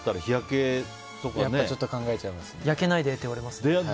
焼けないでって言われます。